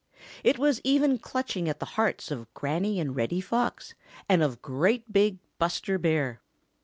It was even clutching at the hearts of Granny and Reddy Fox and of great, big Buster Bear.